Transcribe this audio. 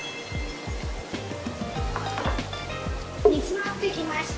煮詰まってきました。